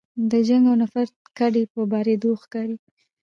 د جنګ او نفرت کډې په بارېدو ښکاري